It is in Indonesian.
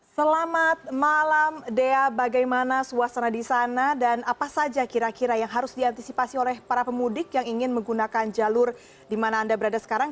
selamat malam dea bagaimana suasana di sana dan apa saja kira kira yang harus diantisipasi oleh para pemudik yang ingin menggunakan jalur di mana anda berada sekarang